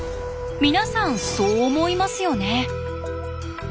皆さんそう思いますよね？